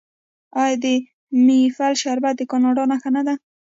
آیا د میپل شربت د کاناډا نښه نه ده؟